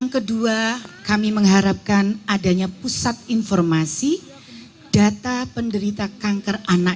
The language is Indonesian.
kedua kami mengharapkan adanya pusat informasi data penderita kanker anak